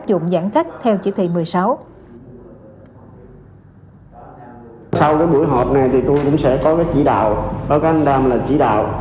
dùng giãn cách theo chỉ thị một mươi sáu